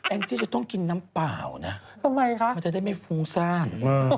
แองตี้จะต้องกินน้ำเปล่านะมันจะได้ไม่ฟุ้งซ่าน